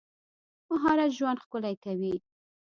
مهارت ژوند ښکلی کوي.